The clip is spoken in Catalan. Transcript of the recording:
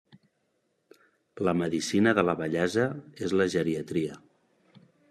La medicina de la vellesa és la geriatria.